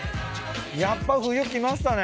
やっぱ冬来ましたね。